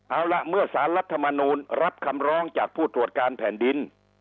เอาล่ะเมื่อสารรัฐมนูลรับคำร้องจากผู้ตรวจการแผ่นดิน